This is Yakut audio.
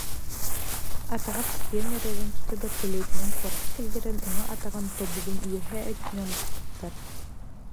Атаҕа сытыйан эрэрин тута бөртөлүөтүнэн куоракка киллэрэн, уҥа атаҕын тобугун үөһээ өттүнэн быспыттар